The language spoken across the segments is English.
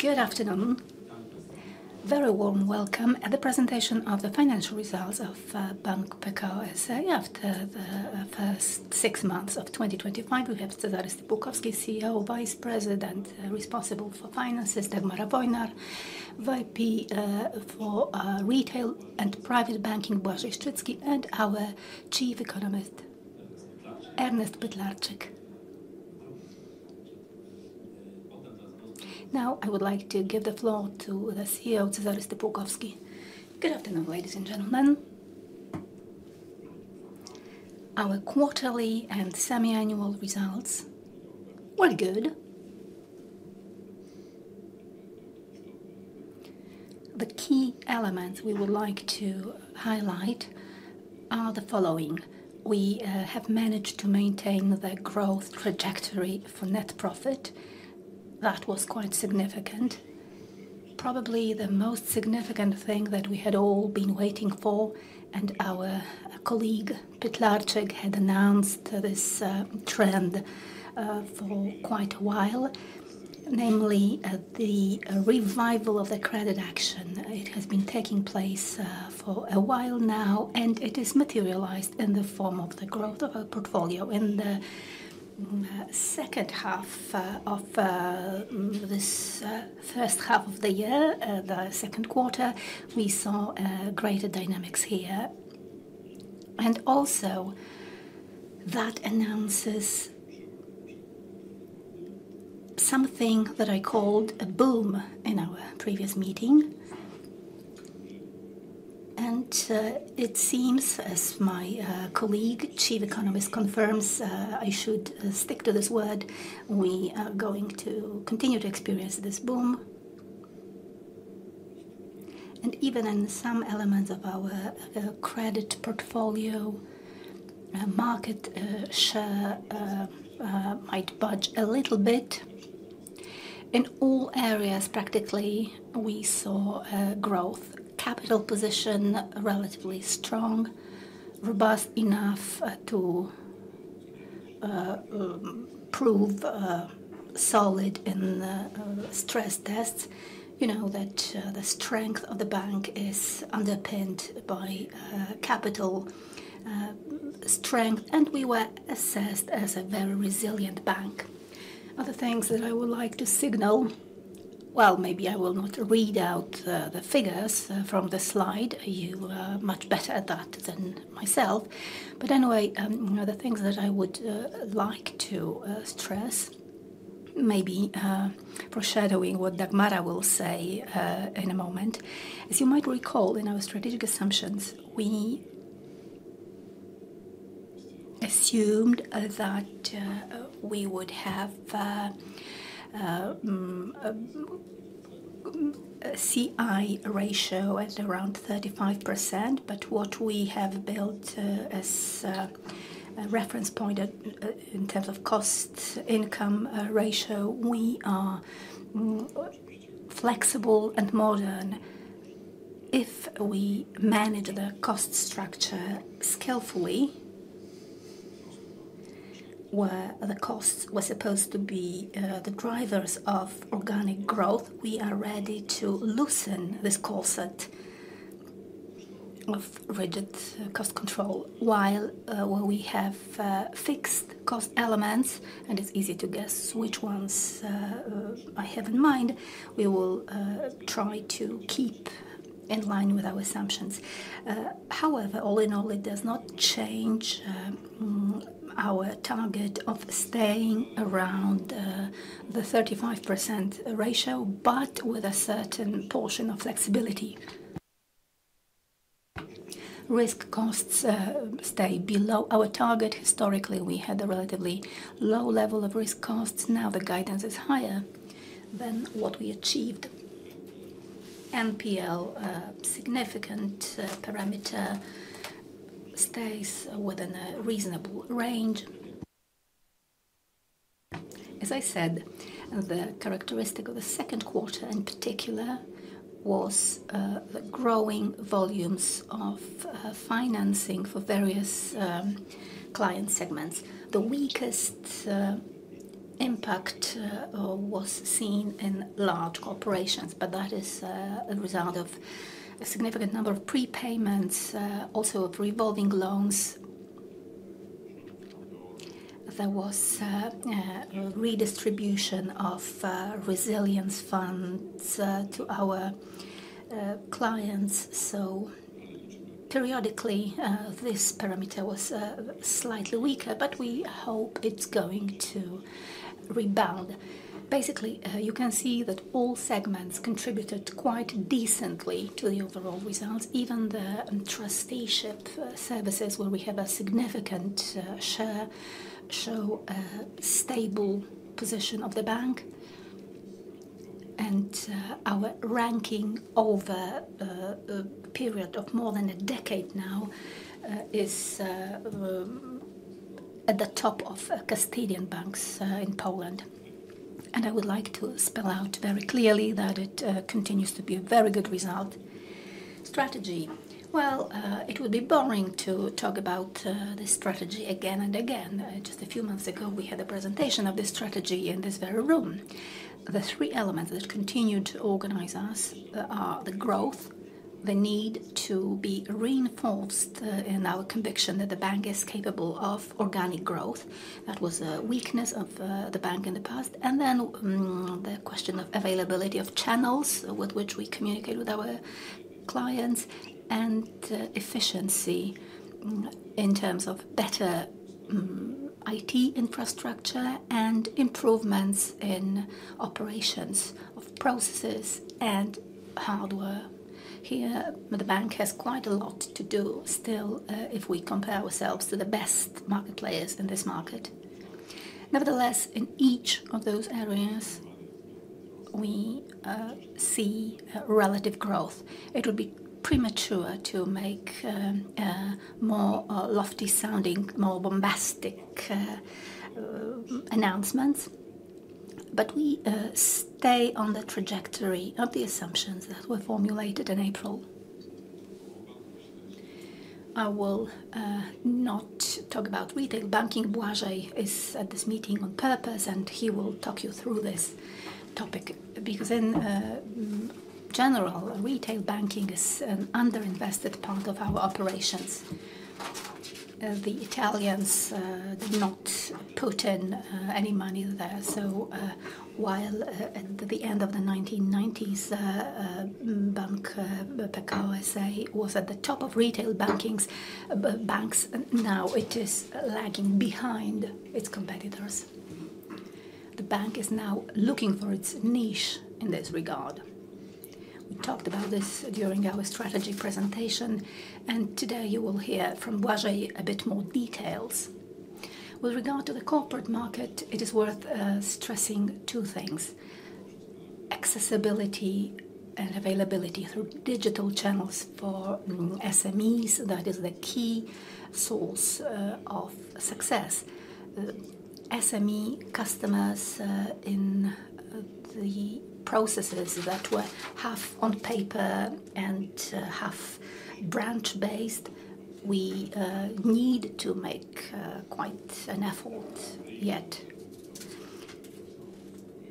Good afternoon. Very warm welcome at the presentation of the financial results of Bank Pekao S.A. after the first six months of 2025. We have Cezary Stypułkowski, CEO, Vice President responsible for finances, Dagmara Wojnar, VP for retail and private banking, Błażej Szczecki, and our Chief Economist, Ernest Pytlarczyk. Now, I would like to give the floor to the CEO, Cezary Stypułkowski. Good afternoon, ladies and gentlemen. Our quarterly and semiannual results were good. The key elements we would like to highlight are the following. We have managed to maintain the growth trajectory for net profit. That was quite significant. Probably the most significant thing that we had all been waiting for, and our colleague Pytlarczyk had announced this trend for quite a while, namely the revival of the credit action. It has been taking place for a while now, and it is materialized in the form of the growth of our portfolio. In the second half of this first half of the year, the second quarter, we saw greater dynamics here. That announces something that I called a boom in our previous meeting. It seems, as my colleague, Chief Economist, confirms, I should stick to this word, we are going to continue to experience this boom. Even in some elements of our credit portfolio, market share might budge a little bit. In all areas, practically, we saw growth. Capital position relatively strong, robust enough to prove solid in stress tests. You know that the strength of the bank is underpinned by capital strength, and we were assessed as a very resilient bank. Other things that I would like to signal, maybe I will not read out the figures from the slide. You are much better at that than myself. Anyway, one of the things that I would like to stress, maybe foreshadowing what Dagmara will say in a moment, as you might recall, in our strategic assumptions, we assumed that we would have a CI ratio at around 35%. What we have built as a reference point in terms of cost-to-income ratio, we are flexible and modern. If we manage the cost structure skillfully, where the costs were supposed to be the drivers of organic growth, we are ready to loosen this corset of rigid cost control. While we have fixed cost elements, and it's easy to guess which ones I have in mind, we will try to keep in line with our assumptions. However, all in all, it does not change our target of staying around the 35% ratio, but with a certain portion of flexibility. Risk costs stay below our target. Historically, we had a relatively low level of risk costs. Now the guidance is higher than what we achieved. NPL, a significant parameter, stays within a reasonable range. As I said, the characteristic of the second quarter, in particular, was the growing volumes of financing for various client segments. The weakest impact was seen in large corporations, but that is a result of a significant number of prepayments, also of revolving loans. There was a redistribution of resilience funds to our clients. Periodically, this parameter was slightly weaker, but we hope it's going to rebound. Basically, you can see that all segments contributed quite decently to the overall results. Even the trusteeship services, where we have a significant share, show a stable position of the bank. Our ranking over a period of more than a decade now is at the top of custodian banks in Poland. I would like to spell out very clearly that it continues to be a very good result. Strategy. Just a few months ago, we had a presentation of this strategy in this very room. The three elements that continue to organize us are the growth, the need to be reinforced in our conviction that the bank is capable of organic growth. That was a weakness of the bank in the past. Then the question of availability of channels with which we communicate with our clients, and efficiency in terms of better IT infrastructure and improvements in operations of processes and hardware. Here, the bank has quite a lot to do still if we compare ourselves to the best market players in this market. Nevertheless, in each of those areas, we see relative growth. It will be premature to make more lofty sounding, more bombastic announcements. We stay on the trajectory of the assumptions that were formulated in April. I will not talk about retail banking. Błażej is at this meeting on purpose, and he will talk you through this topic because, in general, retail banking is an underinvested part of our operations. The Italians did not put in any money there. At the end of the 1990s, Bank Pekao S.A. was at the top of retail banks. Now it is lagging behind its competitors. The bank is now looking for its niche in this regard. We talked about this during our strategy presentation, and today you will hear from Błażej a bit more details. With regard to the corporate market, it is worth stressing two things. Accessibility and availability through digital channels for SMEs, that is the key source of success. SME customers in the processes that were half on paper and half branch-based, we need to make quite an effort yet.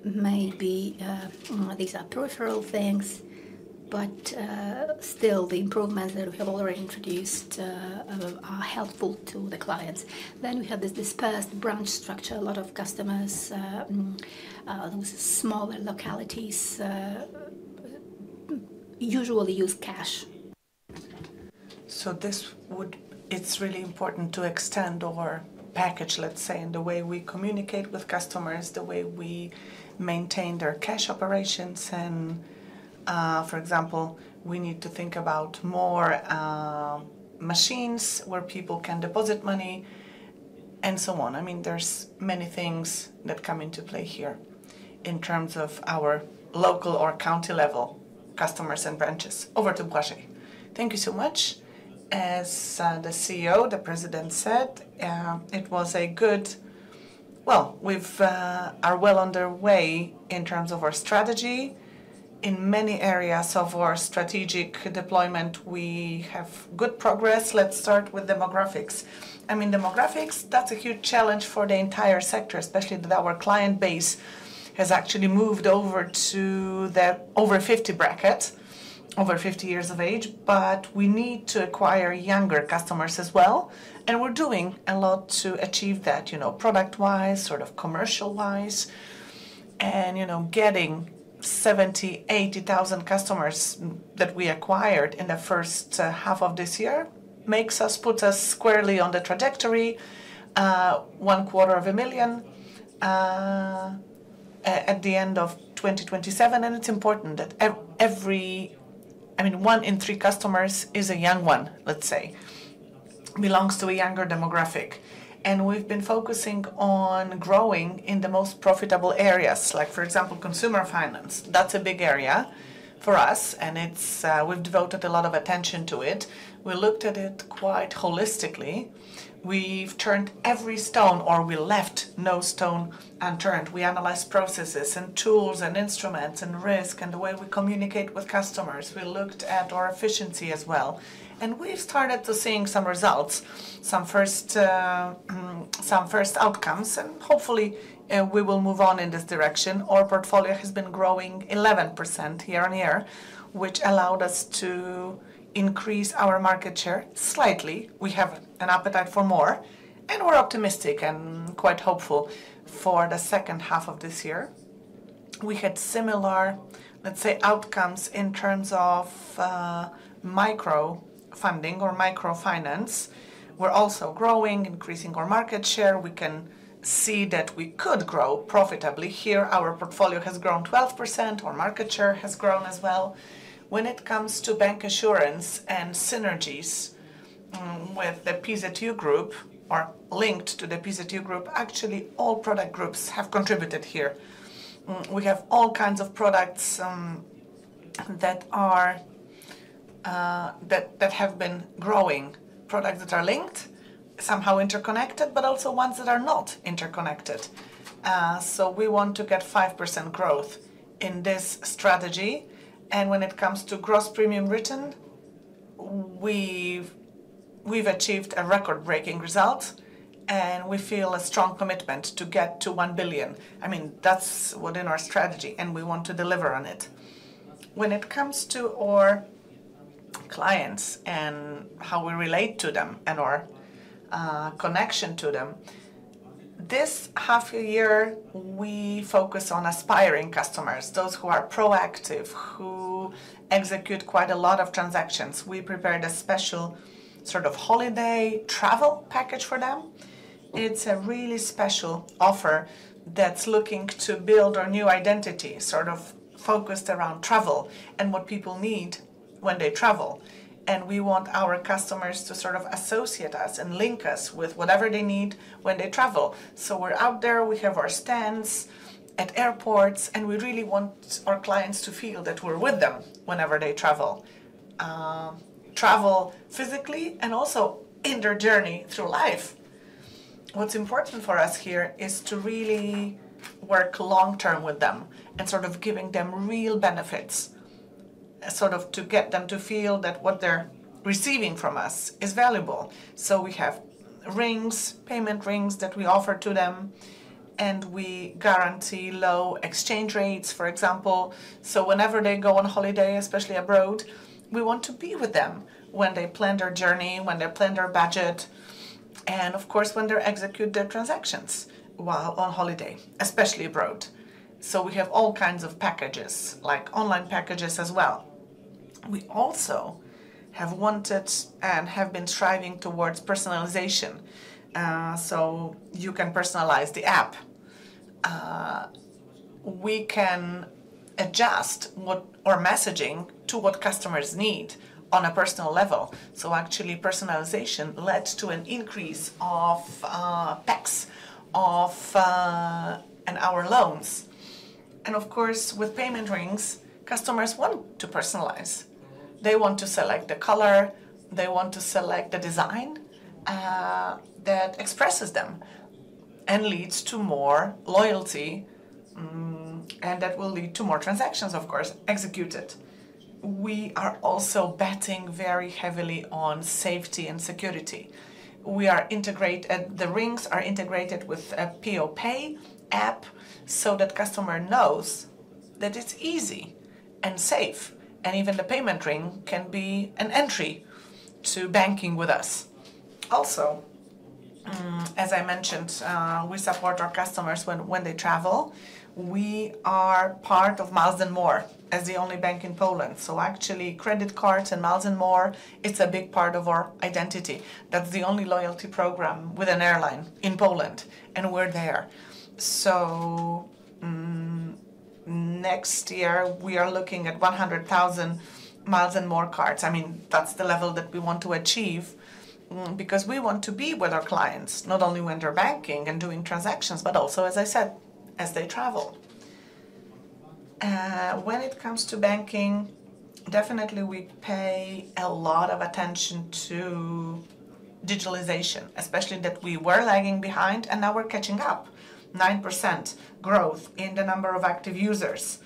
Maybe these are peripheral things, but still, the improvements that we have already introduced are helpful to the clients. We have this dispersed branch structure. A lot of customers in smaller localities usually use cash. It is really important to extend our package, let's say, in the way we communicate with customers, the way we maintain their cash operations. For example, we need to think about more machines where people can deposit money and so on. There are many things that come into play here in terms of our local or county-level customers and branches. Over to Błażej. Thank you so much. As the CEO, the President said, we are well on our way in terms of our strategy. In many areas of our strategic deployment, we have good progress. Let's start with demographics. Demographics are a huge challenge for the entire sector, especially that our client base has actually moved over to the over 50 bracket, over 50 years of age. We need to acquire younger customers as well. We're doing a lot to achieve that, product-wise, sort of commercial-wise. Getting 70,000 customers, 80,000 customers that we acquired in the first half of this year puts us squarely on the trajectory, one quarter of a million, at the end of 2027. It is important that every, I mean, one in three customers is a young one, let's say, belongs to a younger demographic. We've been focusing on growing in the most profitable areas, like, for example, consumer finance. That's a big area for us, and we've devoted a lot of attention to it. We looked at it quite holistically. We left no stone unturned. We analyzed processes and tools and instruments and risk and the way we communicate with customers. We looked at our efficiency as well. We've started to see some results, some first outcomes, and hopefully, we will move on in this direction. Our portfolio has been growing 11% year-on-year, which allowed us to increase our market share slightly. We have an appetite for more. We're optimistic and quite hopeful for the second half of this year. We had similar outcomes in terms of microfinance. We're also growing, increasing our market share. We can see that we could grow profitably here. Our portfolio has grown 12%. Our market share has grown as well. When it comes to Bancassurance and synergies with the PZU Group or linked to the PZU Group, actually, all product groups have contributed here. We have all kinds of products that have been growing, products that are linked, somehow interconnected, but also ones that are not interconnected. We want to get 5% growth in this strategy. When it comes to gross premium written, we've achieved a record-breaking result, and we feel a strong commitment to get to 1 billion. I mean, that's within our strategy, and we want to deliver on it. When it comes to our clients and how we relate to them and our connection to them, this half a year, we focus on aspiring customers, those who are proactive, who execute quite a lot of transactions. We prepared a special sort of holiday travel package for them. It's a really special offer that's looking to build our new identity, sort of focused around travel and what people need when they travel. We want our customers to sort of associate us and link us with whatever they need when they travel. We're out there. We have our stands at airports, and we really want our clients to feel that we're with them whenever they travel, travel physically and also in their journey through life. What's important for us here is to really work long-term with them and sort of giving them real benefits, sort of to get them to feel that what they're receiving from us is valuable. We have payment rings that we offer to them, and we guarantee low exchange rates, for example. Whenever they go on holiday, especially abroad, we want to be with them when they plan their journey, when they plan their budget, and of course, when they execute their transactions while on holiday, especially abroad. We have all kinds of packages, like online packages as well. We also have wanted and have been striving towards personalization. You can personalize the app. We can adjust our messaging to what customers need on a personal level. Actually, personalization led to an increase of PACs and our loans. Of course, with payment rings, customers want to personalize. They want to select the color. They want to select the design that expresses them and leads to more loyalty, and that will lead to more transactions, of course, executed. We are also betting very heavily on safety and security. The rings are integrated with a PeoPay app so that the customer knows that it's easy and safe, and even the payment ring can be an entry to banking with us. Also, as I mentioned, we support our customers when they travel. We are part of Miles & More as the only bank in Poland. Actually, credit cards and Miles & More, it's a big part of our identity. That's the only loyalty program with an airline in Poland, and we're there. Next year, we are looking at 100,000 Miles & More cards. I mean, that's the level that we want to achieve because we want to be with our clients, not only when they're banking and doing transactions, but also, as I said, as they travel. When it comes to banking, definitely, we pay a lot of attention to digitalization, especially that we were lagging behind, and now we're catching up. 9% growth in the number of active users.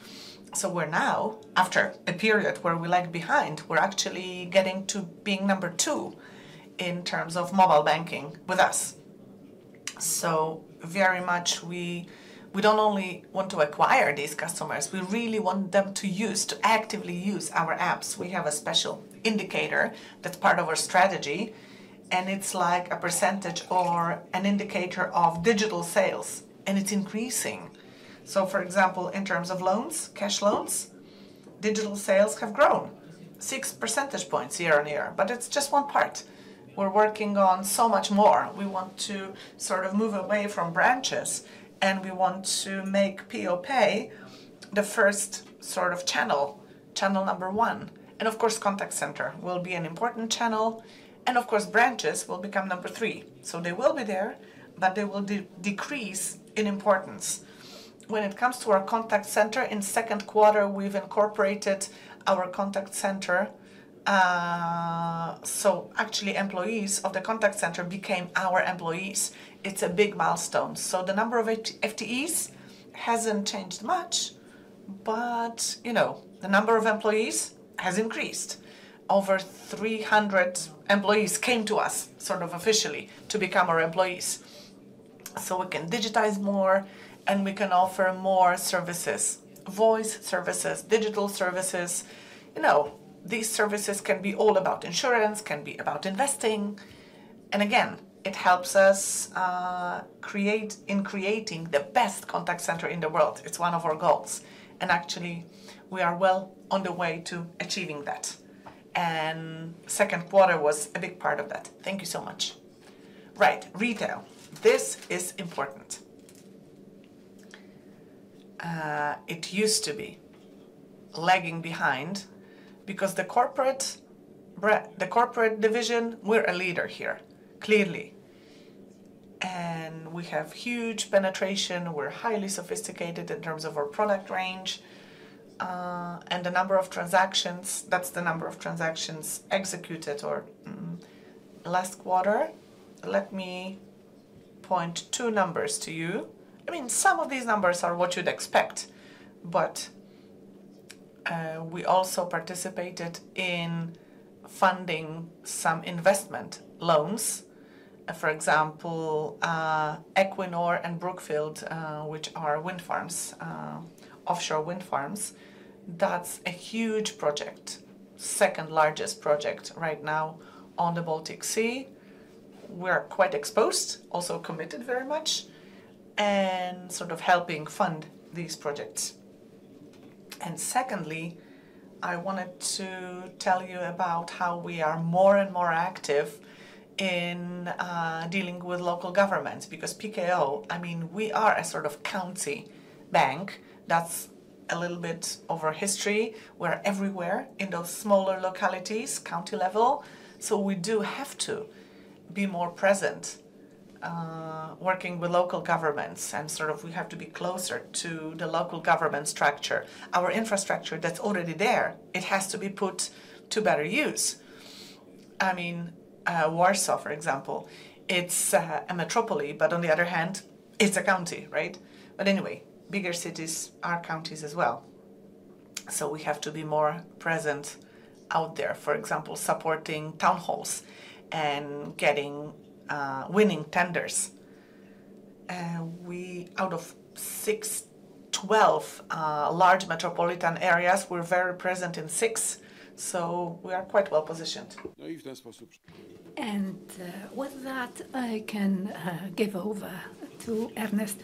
We're now, after a period where we lagged behind, actually getting to being number two in terms of mobile banking with us. Very much, we don't only want to acquire these customers. We really want them to use, to actively use our apps. We have a special indicator that's part of our strategy, and it's like a percentage or an indicator of digital sales, and it's increasing. For example, in terms of loans, cash loans, digital sales have grown 6 percentage points year-on-year, but it's just one part. We're working on so much more. We want to sort of move away from branches, and we want to make PeoPay the first sort of channel, channel number one. Of course, contact center will be an important channel, and branches will become number three. They will be there, but they will decrease in importance. When it comes to our contact center, in the second quarter, we've incorporated our contact center. Actually, employees of the contact center became our employees. It's a big milestone. The number of FTEs hasn't changed much, but the number of employees has increased. Over 300 employees came to us officially to become our employees. We can digitize more, and we can offer more services, voice services, digital services. These services can be all about insurance, can be about investing. It helps us in creating the best contact center in the world. It's one of our goals. Actually, we are well on the way to achieving that. The second quarter was a big part of that. Thank you so much. Right, retail. This is important. It used to be lagging behind because the corporate division, we're a leader here, clearly. We have huge penetration. We're highly sophisticated in terms of our product range. The number of transactions, that's the number of transactions executed or last quarter. Let me point two numbers to you. Some of these numbers are what you'd expect, but we also participated in funding some investment loans. For example, Equinor and Brookfield, which are offshore wind farms. That's a huge project, second largest project right now on the Baltic Sea. We are quite exposed, also committed very much, and helping fund these projects. Secondly, I wanted to tell you about how we are more and more active in dealing with local government because Pekao, i mean, we are a sort of county bank. That's a little bit of our history. We're everywhere in those smaller localities, county level. We do have to be more present working with local governments, and we have to be closer to the local government structure. Our infrastructure that's already there, it has to be put to better use. I mean, Warsaw, for example, it's a metropolis, but on the other hand, it's a county, right? Anyway, bigger cities are counties as well. We have to be more present out there, for example, supporting town halls and winning tenders. Out of twelve large metropolitan areas, we're very present in six. We are quite well positioned. With that, I can give over to Ernest.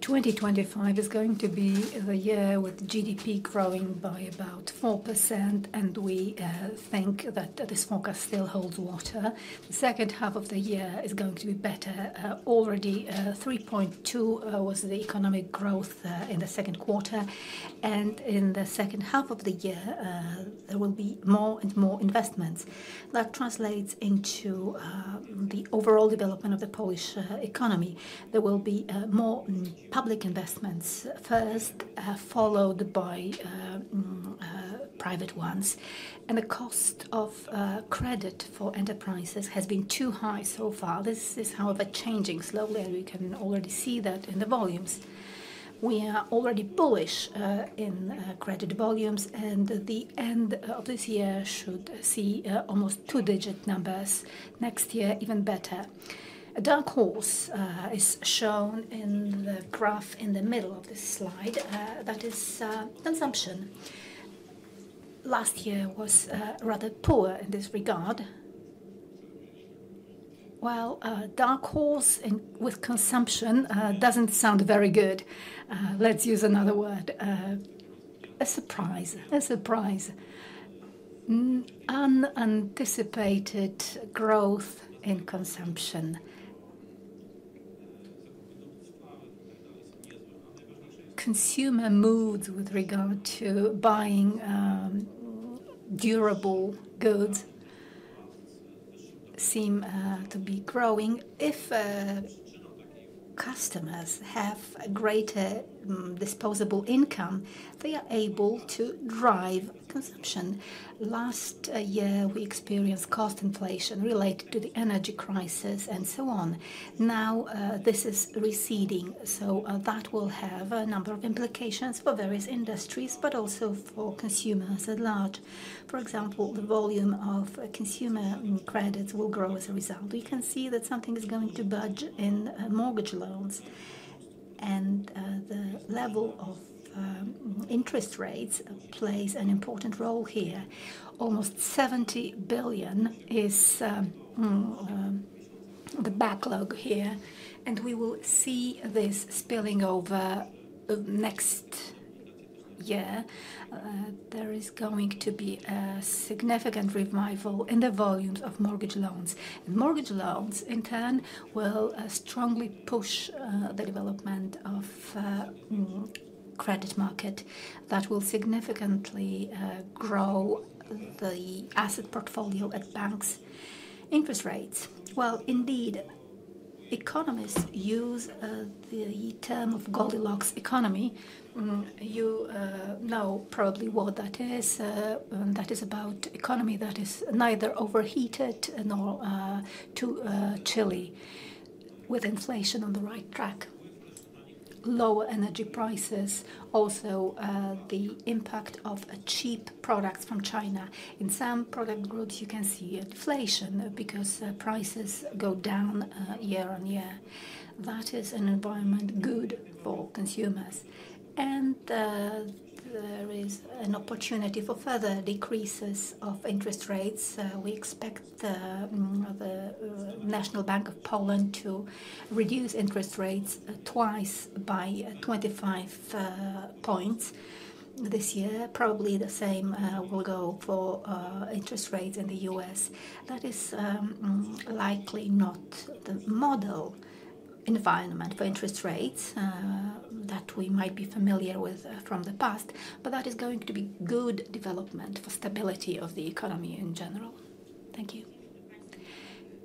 2025 is going to be the year with GDP growing by about 4%, and we think that this forecast still holds water. The second half of the year is going to be better. Already, 3.2% was the economic growth in the second quarter. In the second half of the year, there will be more and more investments. That translates into the overall development of the Polish economy. There will be more public investments first, followed by private ones. The cost of credit for enterprises has been too high so far. This is, however, changing slowly, and we can already see that in the volumes. We are already bullish in credit volumes, and the end of this year should see almost two-digit numbers. Next year, even better. The downfall is shown in the graph in the middle of this slide. That is consumption. Last year was rather poor in this regard. Downfalls with consumption doesn't sound very good. Let's use another word. A surprise. A surprise. Unanticipated growth in consumption. Consumer moods with regard to buying durable goods seem to be growing. If customers have a greater disposable income, they are able to drive consumption. Last year, we experienced cost inflation related to the energy crisis and so on. Now, this is receding. That will have a number of implications for various industries, but also for consumers at large. For example, the volume of consumer credits will grow as a result. You can see that something is going to budge in mortgage loans. The level of interest rates plays an important role here. Almost 70 billion is the backlog here. We will see this spilling over the next year. There is going to be a significant revival in the volumes of mortgage loans. Mortgage loans, in turn, will strongly push the development of the credit market. That will significantly grow the asset portfolio at banks' interest rates. Indeed, economists use the term Goldilocks economy. You know probably what that is. That is about the economy that is neither overheated nor too chilly, with inflation on the right track, lower energy prices, also the impact of cheap products from China. In some product groups, you can see deflation because prices go down year-on-year. That is an environment good for consumers. There is an opportunity for further decreases of interest rates. We expect the National Bank of Poland to reduce interest rates twice by 25 points this year. Probably the same will go for interest rates in the U.S. That is likely not the model environment for interest rates that we might be familiar with from the past, but that is going to be good development for stability of the economy in general. Thank you.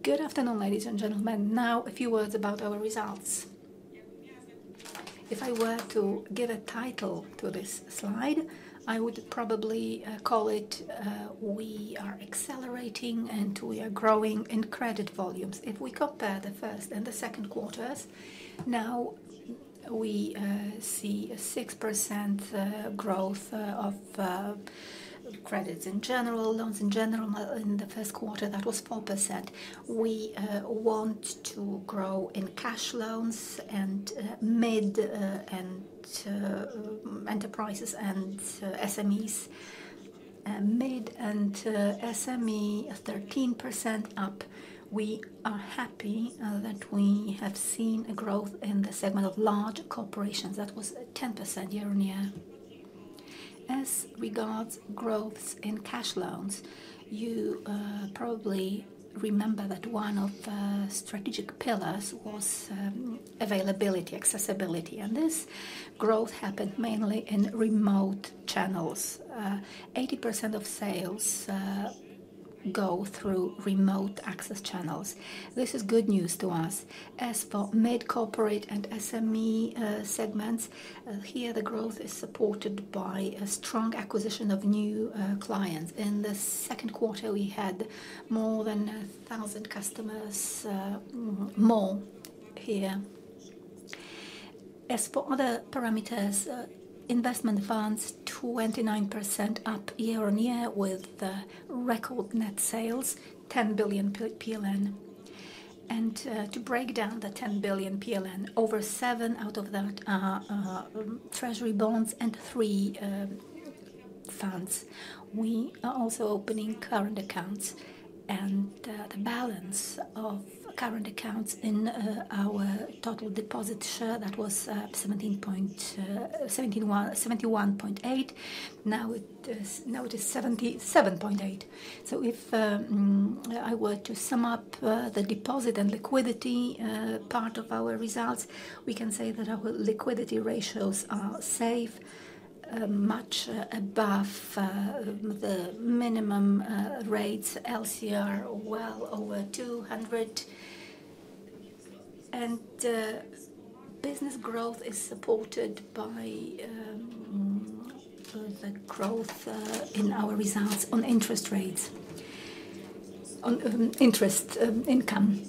Good afternoon, ladies and gentlemen. Now, a few words about our results. If I were to give a title to this slide, I would probably call it, "We are accelerating and we are growing in credit volumes." If we compare the first and the second quarters, now we see a 6% growth of credits in general, loans in general. In the first quarter, that was 4%. We want to grow in cash loans and enterprises and SMEs. Mid and SME, 13% up. We are happy that we have seen a growth in the segment of large corporations. That was 10% year-on-year. As regards growth in cash loans, you probably remember that one of the strategic pillars was availability, accessibility. This growth happened mainly in remote channels. 80% of sales go through remote access channels. This is good news to us. As for mid-corporate and SME segments, here, the growth is supported by a strong acquisition of new clients. In the second quarter, we had more than 1,000 customers more here. As for other parameters, investment funds, 29% up year-on-year with the record net sales, 10 billion PLN. To break down the 10 billion PLN, over 7 billion out of that are treasury bonds and three funds. We are also opening current accounts. The balance of current accounts in our total deposit share, that was 71.8. Now it is 77.8. If I were to sum up the deposit and liquidity part of our results, we can say that our liquidity ratios are safe, much above the minimum rates. LCR well over 200. Business growth is supported by the growth in our results on interest rates, on interest income.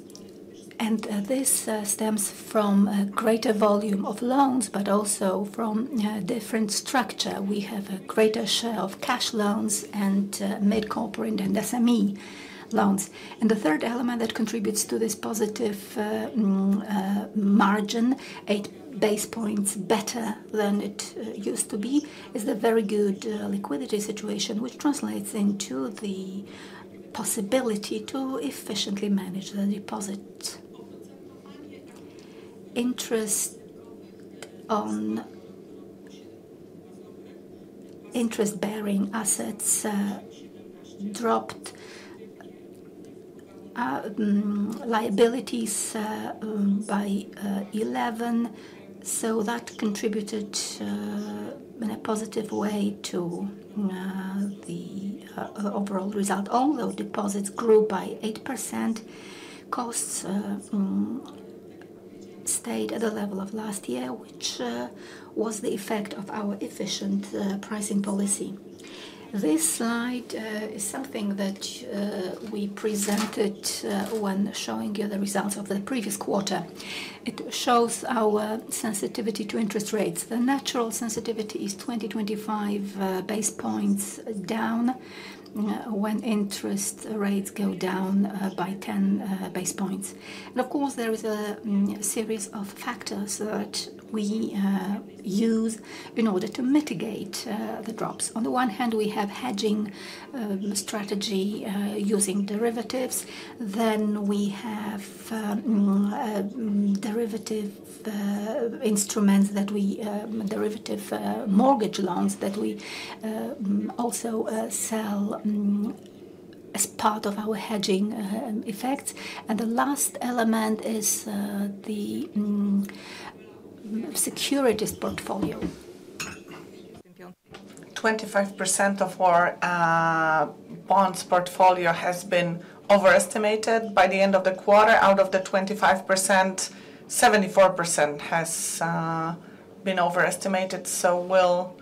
This stems from a greater volume of loans, but also from a different structure. We have a greater share of cash loans and mid-corporate and SME loans. The third element that contributes to this positive margin, 8 basis points better than it used to be, is the very good liquidity situation, which translates into the possibility to efficiently manage the deposits. Interest on interest-bearing assets dropped. Liabilities by 11. That contributed in a positive way to the overall result. Although deposits grew by 8%, costs stayed at the level of last year, which was the effect of our efficient pricing policy. This slide is something that we presented when showing you the results of the previous quarter. It shows our sensitivity to interest rates. The natural sensitivity is 20 basis points-25 basis points down when interest rates go down by 10 basis points. Of course, there is a series of factors that we use in order to mitigate the drops. On the one hand, we have hedging strategy using derivatives. We have derivative instruments that we, derivative mortgage loans that we also sell as part of our hedging effects. The last element is the securities portfolio. Thank you. 25% of our bonds portfolio has been overestimated by the end of the quarter. Out of the 25%, 74% has been overestimated. We will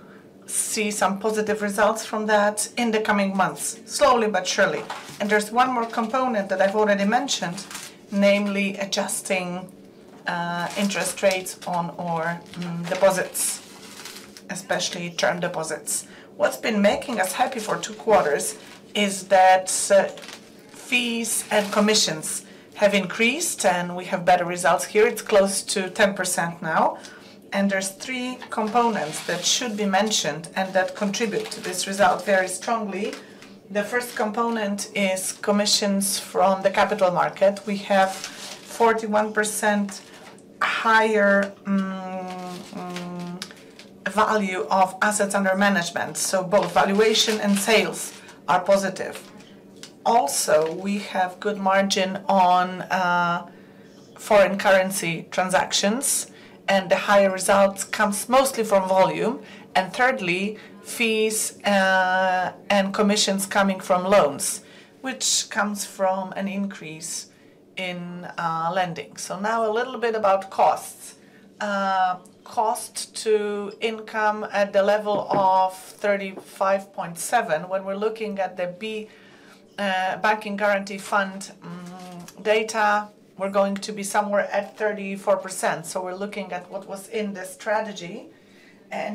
see some positive results from that in the coming months, slowly but surely. There's one more component that I've already mentioned, namely adjusting interest rates on our deposits, especially term deposits. What's been making us happy for two quarters is that fees and commissions have increased, and we have better results here. It's close to 10% now. There are three components that should be mentioned and that contribute to this result very strongly. The first component is commissions from the capital market. We have a 41% higher value of assets under management. Both valuation and sales are positive. We also have good margin on foreign currency transactions, and the higher results come mostly from volume. Thirdly, fees and commissions coming from loans, which come from an increase in lending. Now a little bit about costs. Cost-to-income at the level of 35.7%. When we're looking at the Banking Guarantee Fund data, we're going to be somewhere at 34%. We're looking at what was in the strategy.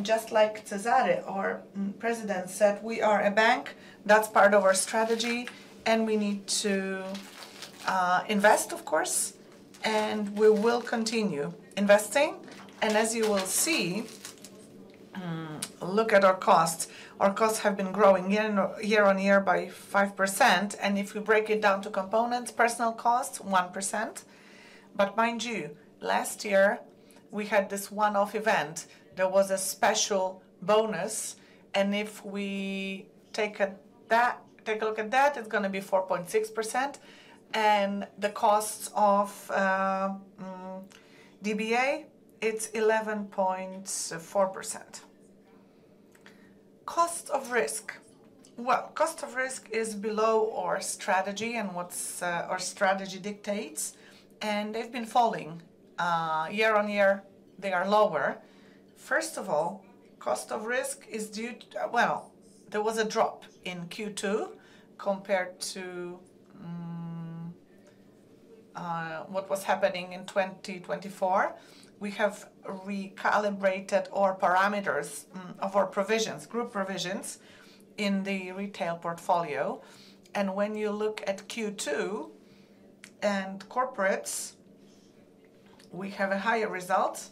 Just like Cezary or President said, we are a bank. That's part of our strategy. We need to invest, of course, and we will continue investing. As you will see, look at our costs. Our costs have been growing year-on-year by 5%. If you break it down to components, personal costs, 1%. Mind you, last year, we had this one-off event. There was a special bonus. If we take a look at that, it's going to be 4.6%. The cost of DBA, it's 11.4%. Cost of risk is below our strategy and what our strategy dictates. They've been falling. year-on-year, they are lower. First of all, cost of risk is due to a drop in Q2 compared to what was happening in 2024. We have recalibrated our parameters of our provisions, group provisions in the retail portfolio. When you look at Q2 and corporates, we have a higher result,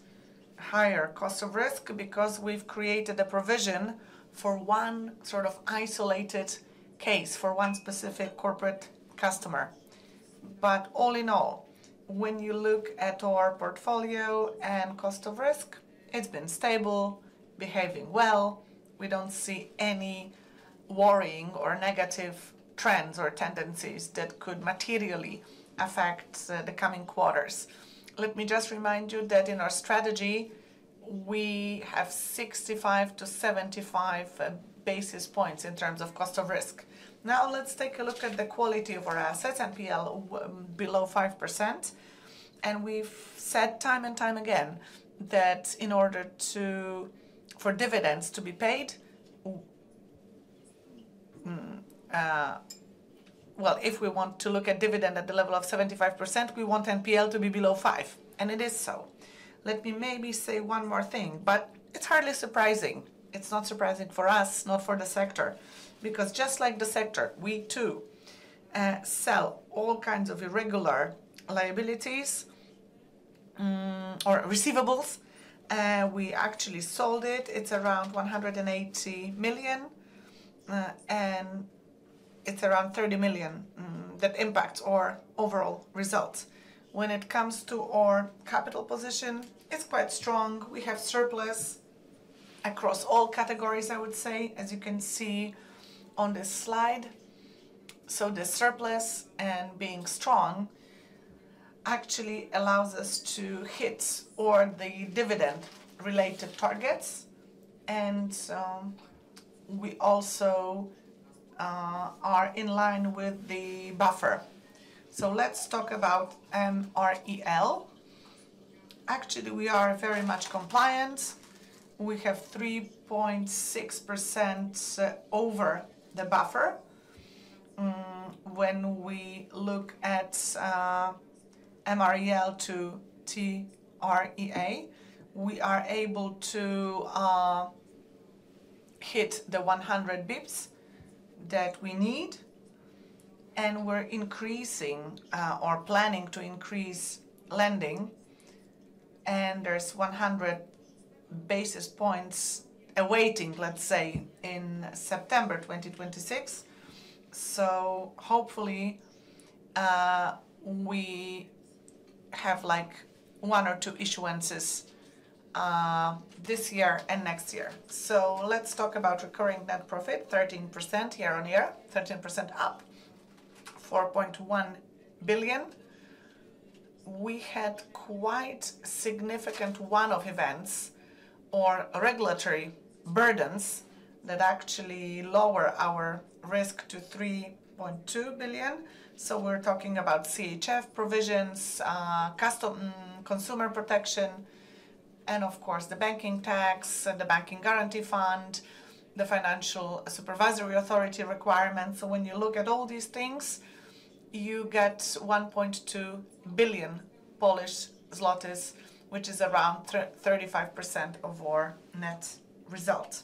a higher cost of risk because we've created a provision for one sort of isolated case, for one specific corporate customer. All in all, when you look at our portfolio and cost of risk, it's been stable, behaving well. We don't see any worrying or negative trends or tendencies that could materially affect the coming quarters. Let me just remind you that in our strategy, we have 65 basis points-75 basis points in terms of cost of risk. Now, let's take a look at the quality of our assets and NPL below 5%. We've said time and time again that in order for dividends to be paid, if we want to look at dividend at the level of 75%, we want NPL to be below 5%. It is so. Let me maybe say one more thing, but it's hardly surprising. It's not surprising for us, not for the sector, because just like the sector, we too sell all kinds of irregular liabilities or receivables. We actually sold it. It's around 180 million, and it's around 30 million that impacts our overall results. When it comes to our capital position, it's quite strong. We have surplus across all categories, I would say, as you can see on this slide. The surplus and being strong actually allow us to hit the dividend-related targets. We also are in line with the buffer. Let's talk about MREL. Actually, we are very much compliant. We have 3.6% over the buffer. When we look at MREL to TREA, we are able to hit the 100 bps that we need, and we're increasing or planning to increase lending. There's 100 basis points awaiting, let's say, in September 2026. Hopefully, we have like one or two issuances this year and next year. Let's talk about recurring net profit, 13% year-on-year, 13% up, 4.1 billion. We had quite significant one-off events or regulatory burdens that actually lower our result to 3.2 billion. We're talking about CHF provisions, consumer protection, and of course, the banking tax, the banking guarantee fund, the financial supervisory authority requirements. When you look at all these things, you get 1.2 billion Polish zlotys, which is around 35% of our net result.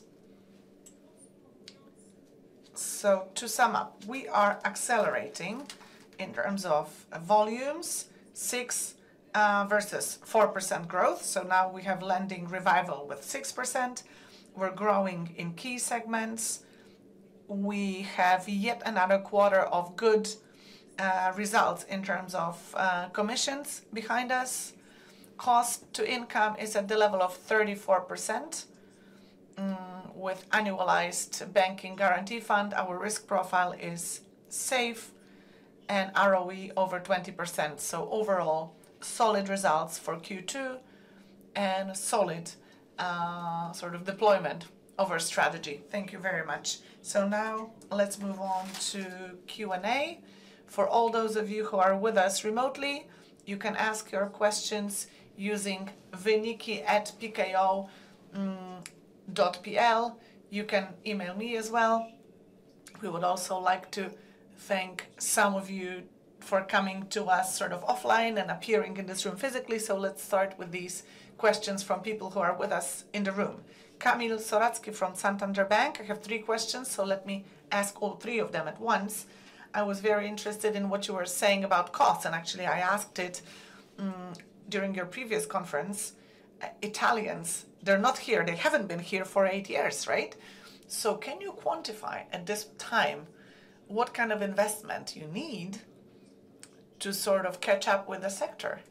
To sum up, we are accelerating in terms of volumes, 6% versus 4% growth. Now we have lending revival with 6%. We're growing in key segments. We have yet another quarter of good results in terms of commissions behind us. Cost-to-income is at the level of 34%. With annualized banking guarantee fund, our risk profile is safe, and ROE over 20%. Overall, solid results for Q2 and solid sort of deployment of our strategy. Thank you very much. Now, let's move on to Q&A. For all those of you who are with us remotely, you can ask your questions using venicki@pko.pl. You can email me as well. We would also like to thank some of you for coming to us offline and appearing in this room physically. Let's start with these questions from people who are with us in the room. Kamil Soracki from Santander Bank. I have three questions, so let me ask all three of them at once. I was very interested in what you were saying about costs, and actually, I asked it during your previous conference. Italians, they're not here. They haven't been here for eight years, right? Can you quantify at this time what kind of investment you need to sort of catch up with the sector?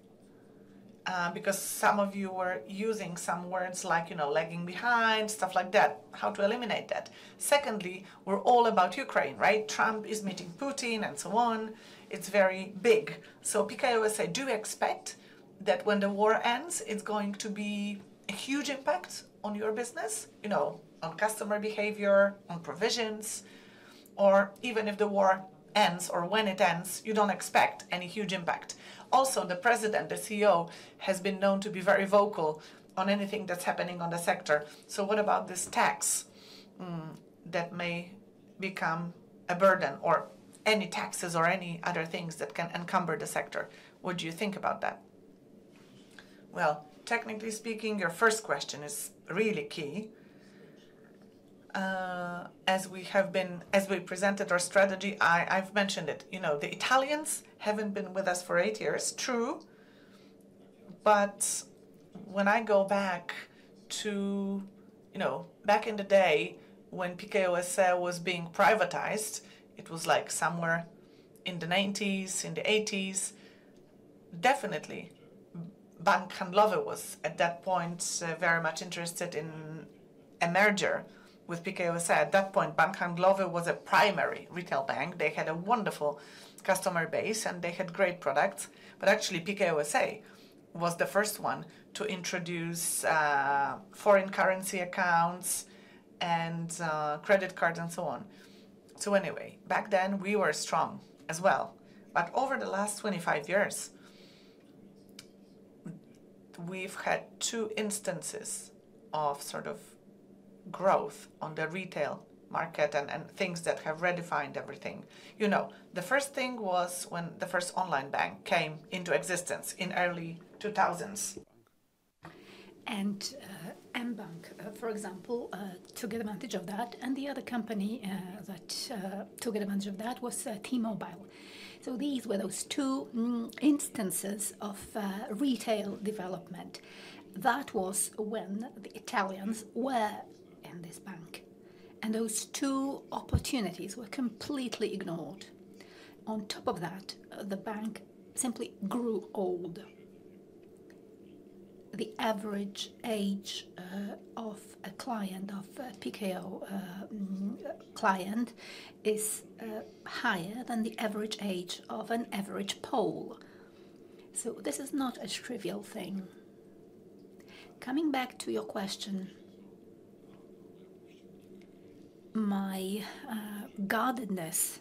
Some of you were using some words like, you know, lagging behind, stuff like that. How to eliminate that? Secondly, we're all about Ukraine, right? Trump is meeting Putin and so on. It's very big. Pekao S.A., do we expect that when the war ends, it's going to be a huge impact on your business, you know, on customer behavior, on provisions, or even if the war ends or when it ends, you don't expect any huge impact? Also, the President, the CEO, has been known to be very vocal on anything that's happening on the sector. What about this tax that may become a burden or any taxes or any other things that can encumber the sector? What do you think about that? Technically speaking, your first question is really key. As we have been, as we presented our strategy, I've mentioned it. The Italians haven't been with us for eight years, true. When I go back to, you know, back in the day when Pekao S.A. was being privatized, it was like somewhere in the 1990s, in the 1980s. Definitely, Bank Handlowy was at that point very much interested in a merger with Pekao S.A.. At that point, Bank Handlowy was a primary retail bank. They had a wonderful customer base, and they had great products. Actually, Pekao S.A. was the first one to introduce foreign currency accounts and credit cards and so on. Anyway, back then, we were strong as well. Over the last 25 years, we've had two instances of sort of growth on the retail market and things that have redefined everything. The first thing was when the first online bank came into existence in the early 2000s. mBank, for example, took advantage of that. The other company that took advantage of that was T-Mobile. These were those two instances of retail development. That was when the Italians were in this bank. Those two opportunities were completely ignored. On top of that, the bank simply grew old. The average age of Pekao client is higher than the average age of an average pole. This is not a trivial thing. Coming back to your question, my guardedness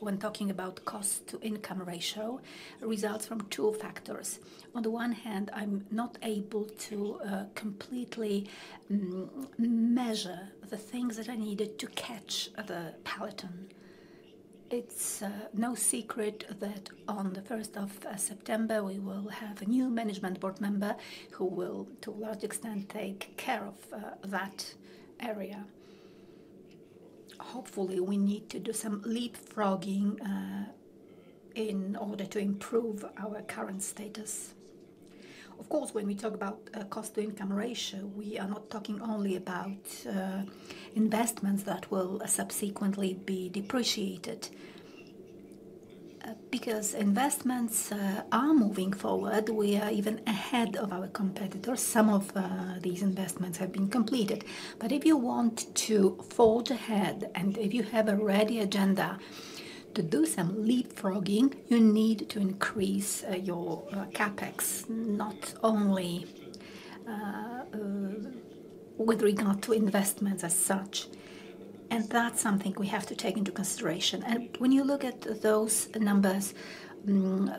when talking about cost-to-income ratio results from two factors. On the one hand, I'm not able to completely measure the things that I needed to catch the peloton. It's no secret that on the 1st of September, we will have a new Management Board member who will, to a large extent, take care of that area. Hopefully, we need to do some leapfrogging in order to improve our current status. Of course, when we talk about cost-to-income ratio, we are not talking only about investments that will subsequently be depreciated. Because investments are moving forward, we are even ahead of our competitors. Some of these investments have been completed. If you want to fold ahead and if you have a ready agenda to do some leapfrogging, you need to increase your CapEx, not only with regard to investments as such. That's something we have to take into consideration. When you look at those numbers,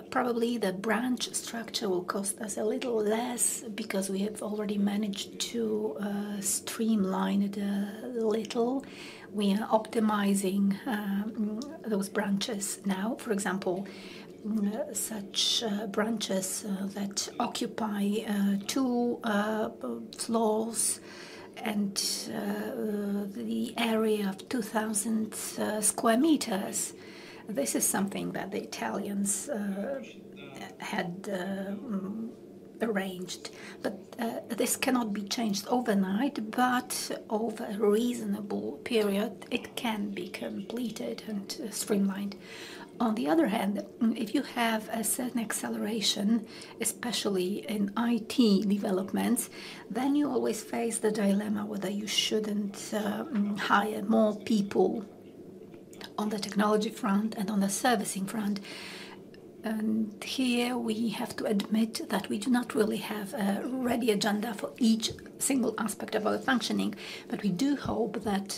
probably the branch structure will cost us a little less because we have already managed to streamline it a little. We are optimizing those branches now. For example, such branches that occupy two floors and the area of 2,000 sq m. This is something that the Italians had arranged. This cannot be changed overnight, but over a reasonable period, it can be completed and streamlined. On the other hand, if you have a certain acceleration, especially in IT developments, then you always face the dilemma whether you shouldn't hire more people on the technology front and on the servicing front. We have to admit that we do not really have a ready agenda for each single aspect of our functioning. We do hope that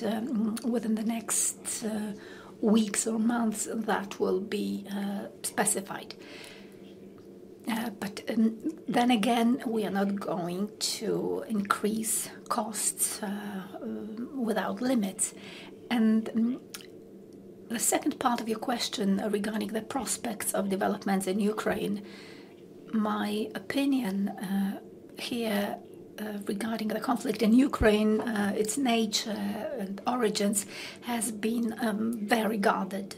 within the next weeks or months, that will be specified. We are not going to increase costs without limits. The second part of your question regarding the prospects of developments in Ukraine, my opinion here regarding the conflict in Ukraine, its nature and origins has been very guarded.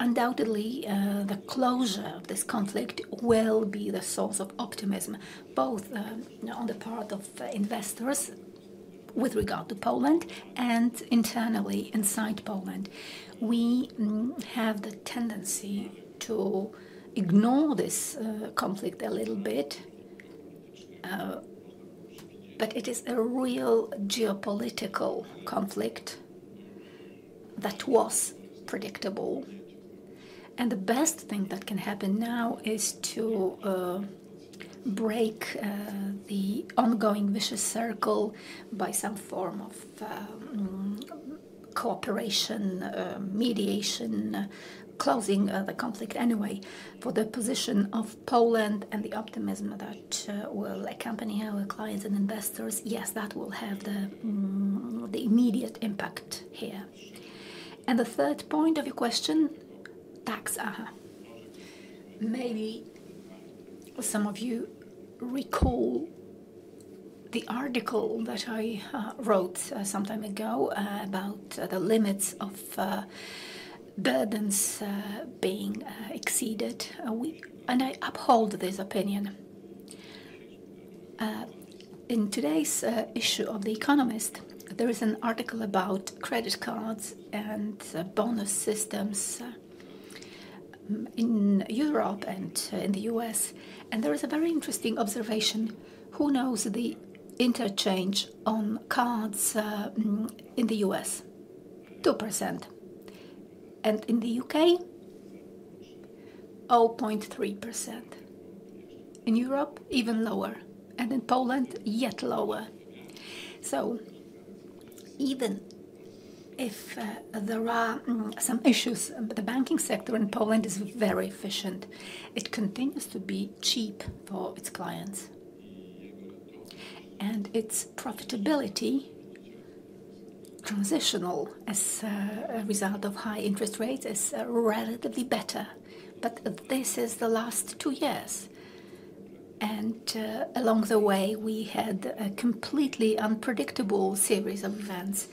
Undoubtedly, the closure of this conflict will be the source of optimism, both on the part of investors with regard to Poland and internally inside Poland. We have the tendency to ignore this conflict a little bit, but it is a real geopolitical conflict that was predictable. The best thing that can happen now is to break the ongoing vicious circle by some form of cooperation, mediation, closing the conflict anyway. For the position of Poland and the optimism that will accompany our clients and investors, yes, that will have the immediate impact here. The third point of your question, tax, aha. Maybe some of you recall the article that I wrote some time ago about the limits of burdens being exceeded. I uphold this opinion. In today's issue of The Economist, there is an article about credit cards and bonus systems in Europe and in the U.S. There is a very interesting observation. Who knows the interchange on cards in the U.S.? 2%. In the U.K., 0.3%. In Europe, even lower. In Poland, yet lower. Even if there are some issues, the banking sector in Poland is very efficient. It continues to be cheap for its clients. Its profitability, transitional as a result of high interest rates, is relatively better. This is the last two years. Along the way, we had a completely unpredictable series of events,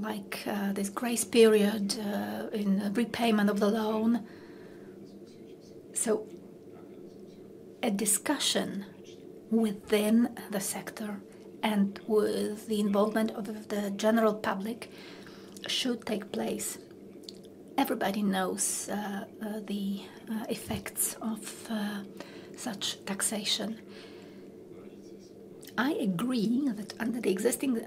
like this grace period in the repayment of the loan. A discussion within the sector and with the involvement of the general public should take place. Everybody knows the effects of such taxation. I agree that under the existing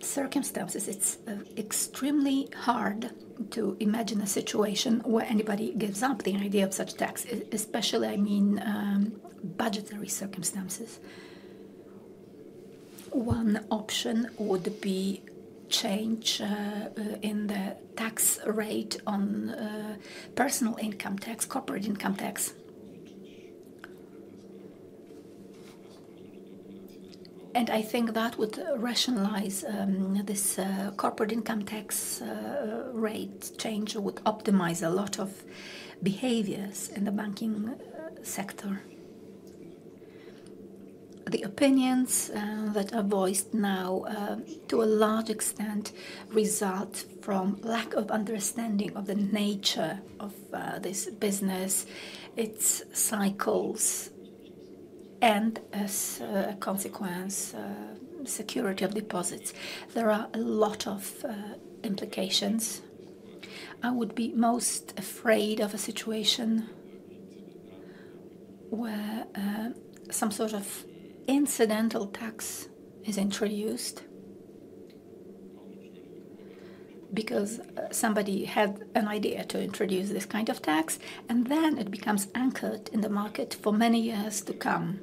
circumstances, it's extremely hard to imagine a situation where anybody gives up the idea of such tax, especially, I mean, budgetary circumstances. One option would be a change in the tax rate on personal income tax, corporate income tax. I think that would rationalize this corporate income tax rate change. It would optimize a lot of behaviors in the banking sector. The opinions that are voiced now, to a large extent, result from a lack of understanding of the nature of this business, its cycles, and as a consequence, the security of deposits. There are a lot of implications. I would be most afraid of a situation where some sort of incidental tax is introduced because somebody had an idea to introduce this kind of tax, and then it becomes anchored in the market for many years to come.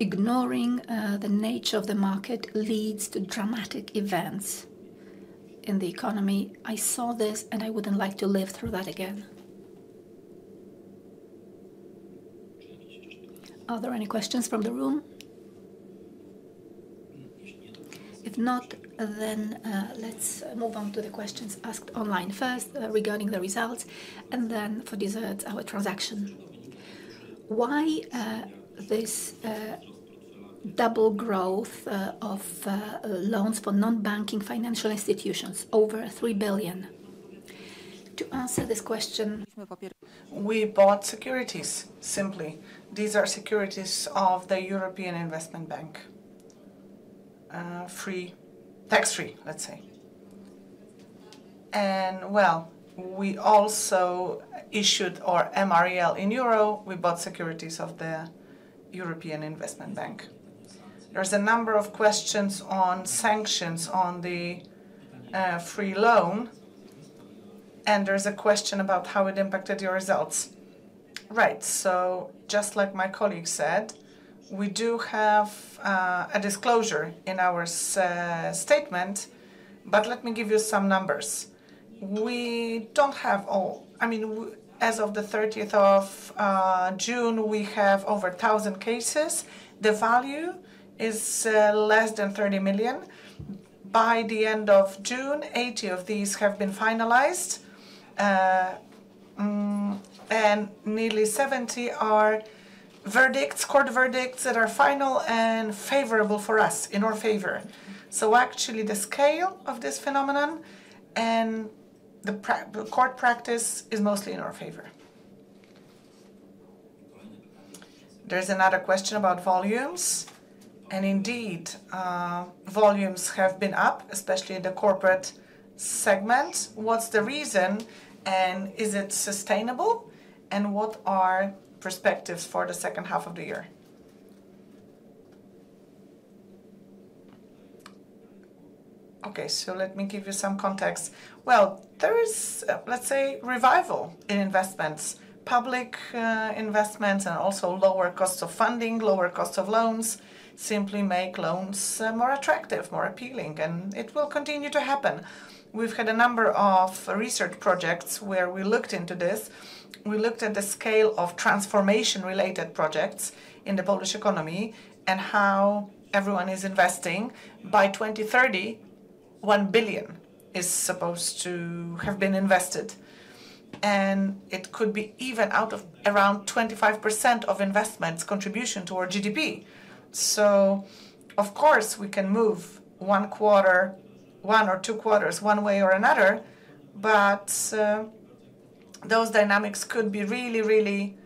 Ignoring the nature of the market leads to dramatic events in the economy. I saw this, and I wouldn't like to live through that again. Are there any questions from the room? If not, let's move on to the questions asked online, first regarding the results, and then for dessert, our transaction. Why this double growth of loans for non-banking financial institutions over $3 billion? To answer this question, we bought securities simply. These are securities of the European Investment Bank, tax-free, let's say. We also issued our MREL in euro. We bought securities of the European Investment Bank. There's a number of questions on sanctions on the free loan, and there's a question about how it impacted your results. Right. Just like my colleague said, we do have a disclosure in our statement, but let me give you some numbers. We don't have all. I mean, as of 30th of June, we have over 1,000 cases. The value is less than $30 million. By the end of June, 80 of these have been finalized, and nearly 70 are verdicts, court verdicts that are final and favorable for us, in our favor. Actually, the scale of this phenomenon and the court practice is mostly in our favor. There's another question about volumes. Indeed, volumes have been up, especially in the corporate segment. What's the reason, and is it sustainable? What are perspectives for the second half of the year? Let me give you some context. There is, let's say, revival in investments, public investments, and also lower costs of funding, lower costs of loans simply make loans more attractive, more appealing. It will continue to happen. We've had a number of research projects where we looked into this. We looked at the scale of transformation-related projects in the Polish economy and how everyone is investing. By 2030, $1 billion is supposed to have been invested. It could be even out of around 25% of investments' contribution to our GDP. Of course, we can move one quarter, one or two quarters, one way or another, but those dynamics could be really, really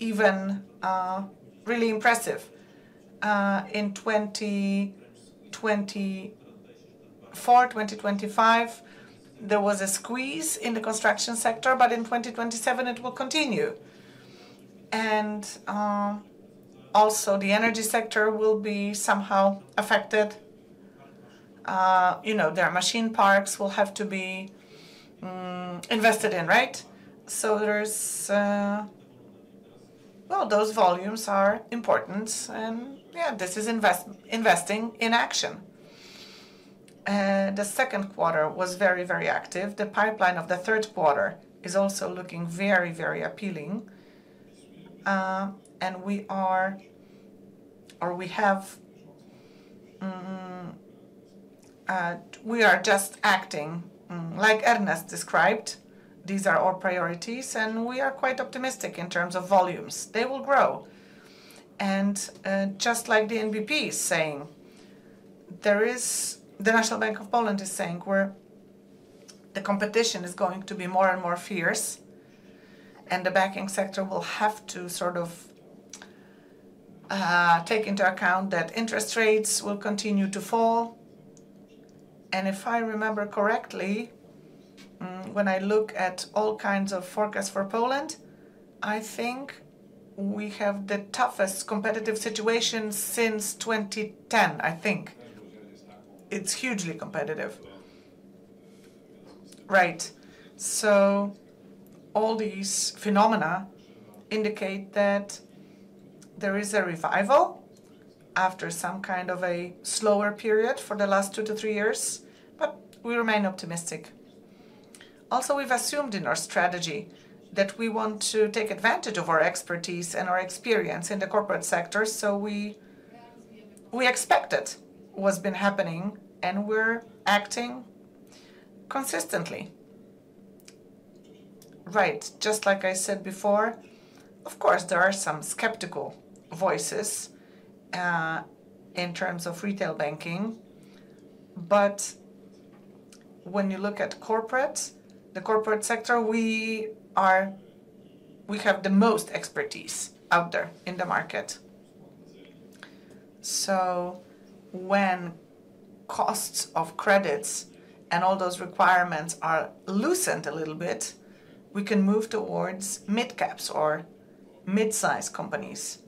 even really impressive. In 2024, 2025, there was a squeeze in the construction sector, but in 2027, it will continue. Also, the energy sector will be somehow affected. Their machine parks will have to be invested in, right? Those volumes are important. This is investing in action. The second quarter was very, very active. The pipeline of the third quarter is also looking very, very appealing. We are just acting like Ernest described. These are our priorities, and we are quite optimistic in terms of volumes. They will grow. Just like the NBP is saying, the National Bank of Poland is saying, the competition is going to be more and more fierce, and the banking sector will have to sort of take into account that interest rates will continue to fall. If I remember correctly, when I look at all kinds of forecasts for Poland, I think we have the toughest competitive situation since 2010. It's hugely competitive. All these phenomena indicate that there is a revival after some kind of a slower period for the last two to three years, but we remain optimistic. Also, we've assumed in our strategy that we want to take advantage of our expertise and our experience in the corporate sector. We expect it, what's been happening, and we're acting consistently. Just like I said before, of course, there are some skeptical voices in terms of retail banking. When you look at the corporate sector, we have the most expertise out there in the market. When costs of credits and all those requirements are loosened a little bit, we can move towards mid-caps or mid-size companies.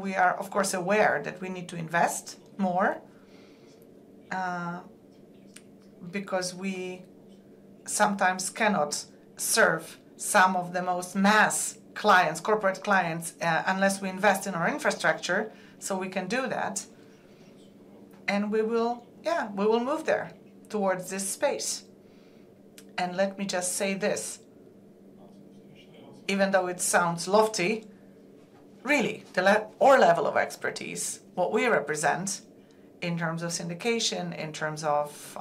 We are, of course, aware that we need to invest more because we sometimes cannot serve some of the most mass clients, corporate clients, unless we invest in our infrastructure. We can do that, and we will move there towards this space. Let me just say this, even though it sounds lofty, really, our level of expertise, what we represent in terms of syndication, in terms of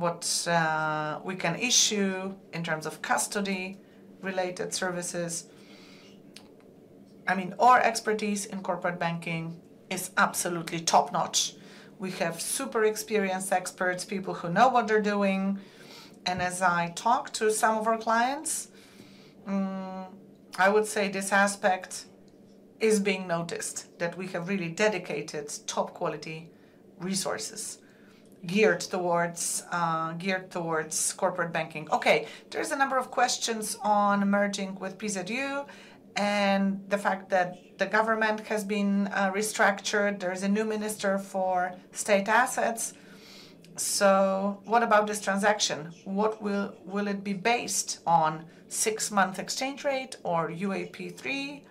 what we can issue, in terms of custody-related services, our expertise in corporate banking is absolutely top-notch. We have super experienced experts, people who know what they're doing. As I talk to some of our clients, I would say this aspect is being noticed, that we have really dedicated top-quality resources geared towards corporate banking. There is a number of questions emerging with PZU and the fact that the government has been restructured. There's a new minister for state assets. What about this transaction? Will it be based on a six-month exchange rate or UAP3?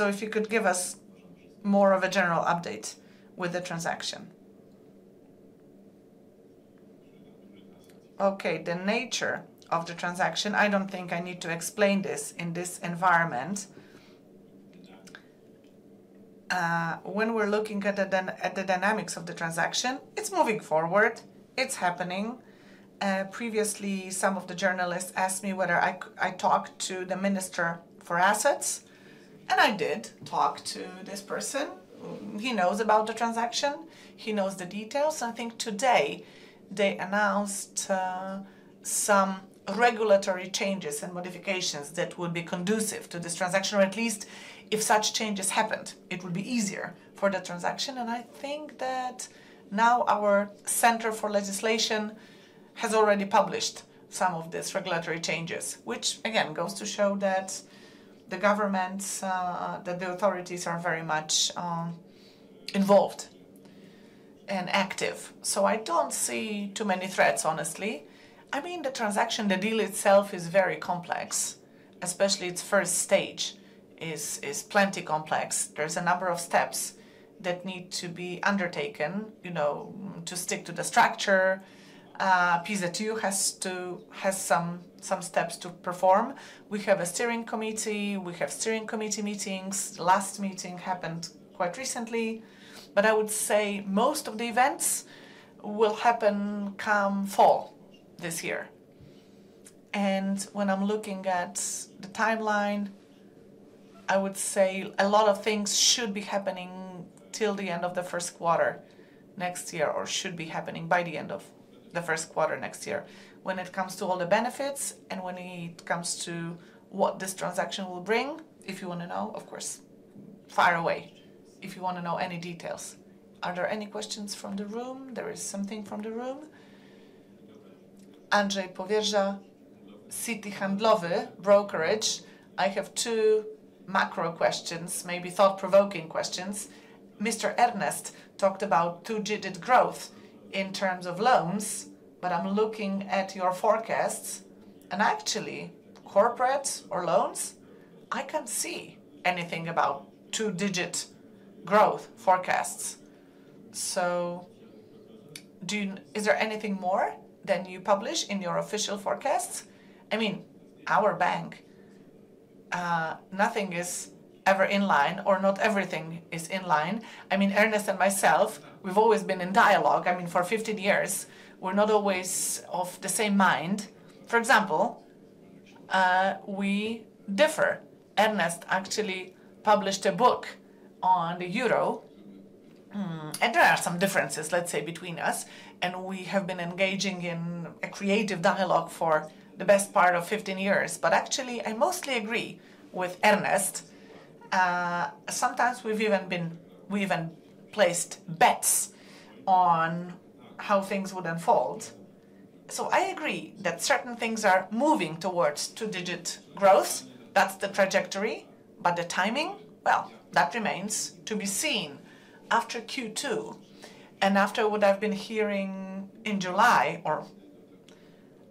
If you could give us more of a general update with the transaction. The nature of the transaction, I don't think I need to explain this in this environment. When we're looking at the dynamics of the transaction, it's moving forward. It's happening. Previously, some of the journalists asked me whether I talked to the Minister for Assets, and I did talk to this person. He knows about the transaction. He knows the details. I think today, they announced some regulatory changes and modifications that would be conducive to this transaction, or at least if such changes happened, it would be easier for the transaction. I think that now our Center for Legislation has already published some of these regulatory changes, which, again, goes to show that the governments, that the authorities are very much involved and active. I don't see too many threats, honestly. I mean, the transaction, the deal itself is very complex. Especially its first stage is plenty complex. There's a number of steps that need to be undertaken, you know, to stick to the structure. PZU has some steps to perform. We have a steering committee. We have steering committee meetings. The last meeting happened quite recently. I would say most of the events will happen come fall this year. When I'm looking at the timeline, I would say a lot of things should be happening till the end of the first quarter next year, or should be happening by the end of the first quarter next year. When it comes to all the benefits and when it comes to what this transaction will bring, if you want to know, of course, fire away if you want to know any details. Are there any questions from the room? There is something from the room. Andrzej Powierza, Citi Handlowy, Brokerage. I have two macro questions, maybe thought-provoking questions. Mr. Ernest talked about two-digit growth in terms of loans, but I'm looking at your forecasts. Actually, corporate or loans, I can't see anything about two-digit growth forecasts. Is there anything more than you publish in your official forecasts? I mean, our bank, nothing is ever in line, or not everything is in line. I mean, Ernest and myself, we've always been in dialogue. I mean, for 15 years, we're not always of the same mind. For example, we differ. Ernest actually published a book on the euro. There are some differences, let's say, between us. We have been engaging in a creative dialogue for the best part of 15 years. Actually, I mostly agree with Ernest. Sometimes we've even been, we even placed bets on how things would unfold. I agree that certain things are moving towards two-digit growth. That's the trajectory. The timing, that remains to be seen after Q2. After what I've been hearing in July,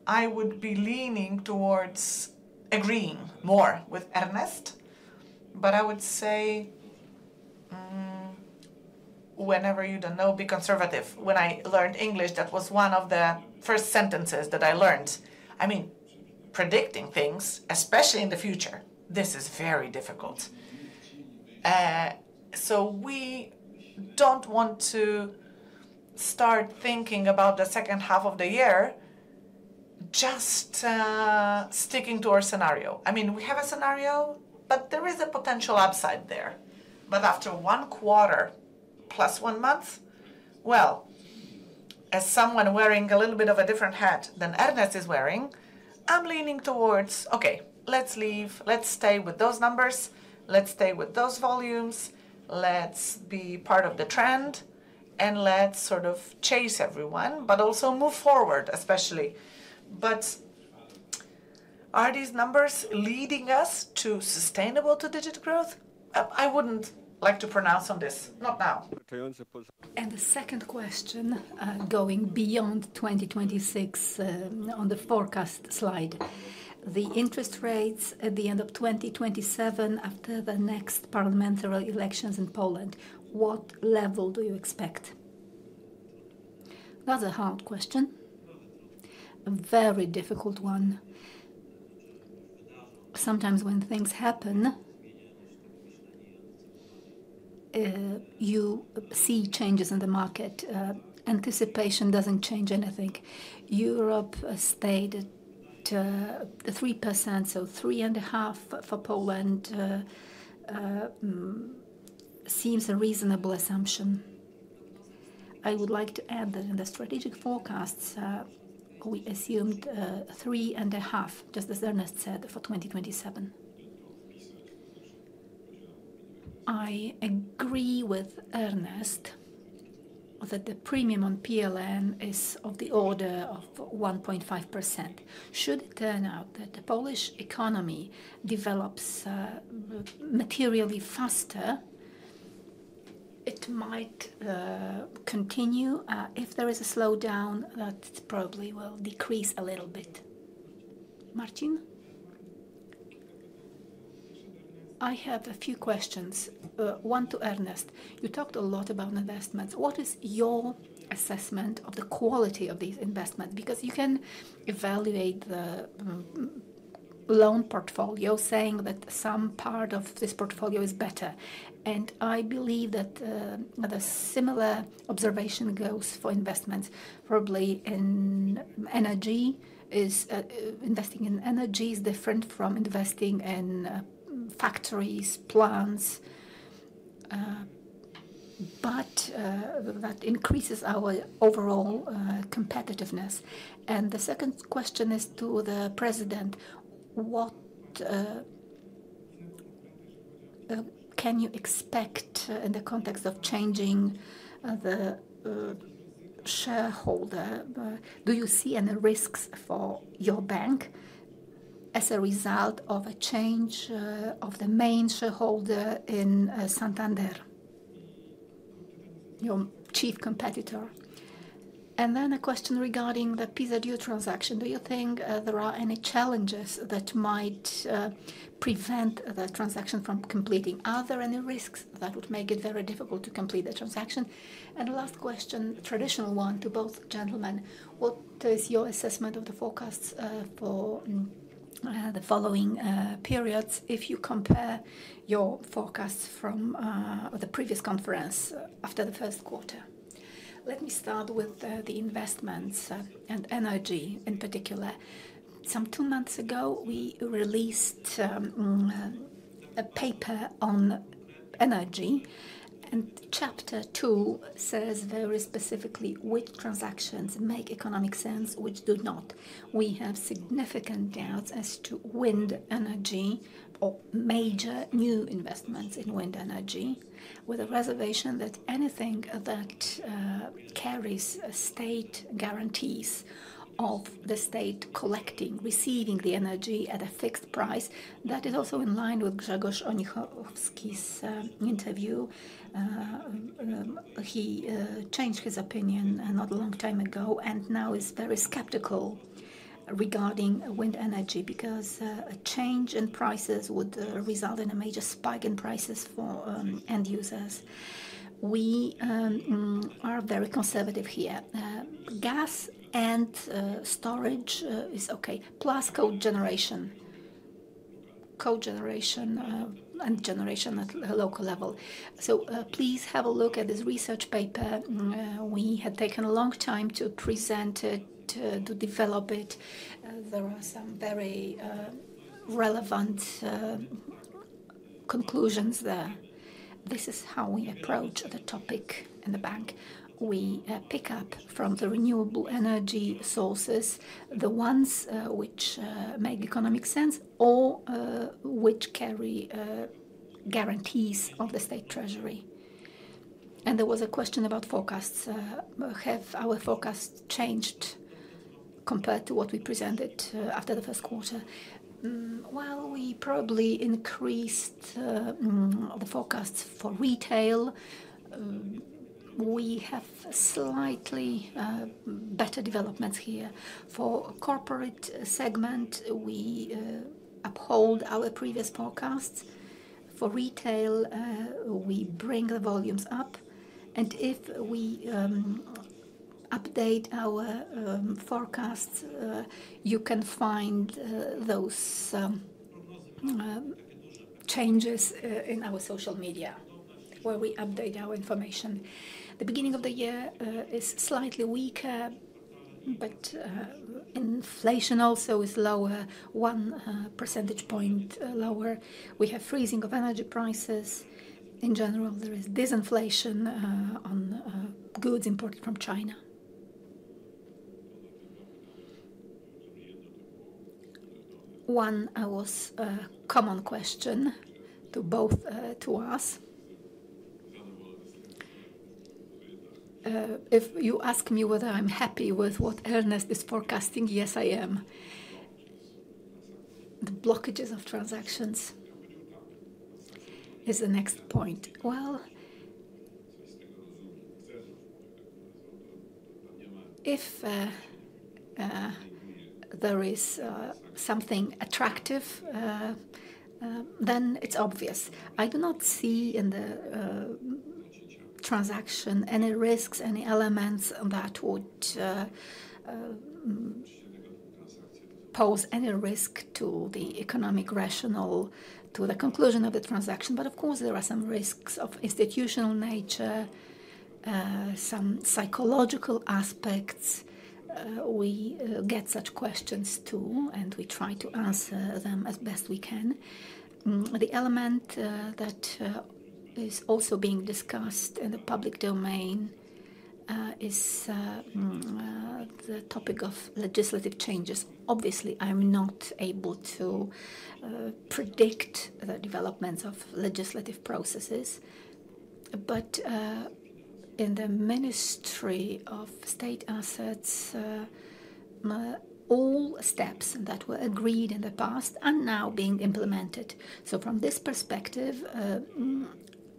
I would be leaning towards agreeing more with Ernest. I would say, whenever you don't know, be conservative. When I learned English, that was one of the first sentences that I learned. Predicting things, especially in the future, is very difficult. We don't want to start thinking about the second half of the year just sticking to our scenario. We have a scenario, but there is a potential upside there. After one quarter plus one month, as someone wearing a little bit of a different hat than Ernest is wearing, I'm leaning towards, okay, let's leave, let's stay with those numbers, let's stay with those volumes, let's be part of the trend, and let's sort of chase everyone, but also move forward, especially. Are these numbers leading us to sustainable two-digit growth? I wouldn't like to pronounce on this. Not now. The second question, going beyond 2026, on the forecast slide, the interest rates at the end of 2027 after the next parliamentary elections in Poland, what level do you expect? That's a hard question. A very difficult one. Sometimes when things happen, you see changes in the market. Anticipation doesn't change anything. Europe stayed at 3%, so 3.5% for Poland seems a reasonable assumption. I would like to add that in the strategic forecasts, we assumed 3.5%, just as Ernest said, for 2027. I agree with Ernest that the premium on PLN is of the order of 1.5%. Should it turn out that the Polish economy develops materially faster, it might continue. If there is a slowdown, that probably will decrease a little bit. Martin, I have a few questions. One to Ernest. You talked a lot about investments. What is your assessment of the quality of these investments? Because you can evaluate the loan portfolio, saying that some part of this portfolio is better. I believe that the similar observation goes for investments. Probably in energy, investing in energy is different from investing in factories, plants. That increases our overall competitiveness. The second question is to the President. What can you expect in the context of changing the shareholder? Do you see any risks for your bank as a result of a change of the main shareholder in Santander, your chief competitor? A question regarding the PZU transaction. Do you think there are any challenges that might prevent the transaction from completing? Are there any risks that would make it very difficult to complete the transaction? The last question, traditional one to both gentlemen. What is your assessment of the forecasts for the following periods if you compare your forecasts from the previous conference after the first quarter? Let me start with the investments and energy in particular. Some two months ago, we released a paper on energy. Chapter two says very specifically which transactions make economic sense, which do not. We have significant doubts as to wind energy or major new investments in wind energy, with a reservation that anything that carries state guarantees of the state collecting, receiving the energy. The fixed price, that is also in line with Grzegorz Onichimowskii's interview. He changed his opinion not a long time ago and now is very skeptical regarding wind energy because a change in prices would result in a major spike in prices for end users. We are very conservative here. Gas and storage is okay, plus cogeneration. Cogeneration and generation at a local level. Please have a look at this research paper. We had taken a long time to present it, to develop it. There are some very relevant conclusions there. This is how we approach the topic in the bank. We pick up from the renewable energy sources, the ones which make economic sense or which carry guarantees of the state treasury. There was a question about forecasts. Have our forecasts changed compared to what we presented after the first quarter? We probably increased the forecasts for retail. We have slightly better developments here. For the corporate segment, we uphold our previous forecasts. For retail, we bring the volumes up. If we update our forecasts, you can find those changes in our social media where we update our information. The beginning of the year is slightly weaker, but inflation also is lower, 1 percentage point lower. We have freezing of energy prices. In general, there is disinflation on goods imported from China. One was a common question to both of us. If you ask me whether I'm happy with what Ernest is forecasting, yes, I am. The blockages of transactions is the next point. If there is something attractive, then it's obvious. I do not see in the transaction any risks, any elements that would pose any risk to the economic rational to the conclusion of the transaction. Of course, there are some risks of institutional nature, some psychological aspects. We get such questions too, and we try to answer them as best we can. The element that is also being discussed in the public domain is the topic of legislative changes. Obviously, I'm not able to predict the developments of legislative processes. In the Ministry of State Assets, all steps that were agreed in the past are now being implemented. From this perspective,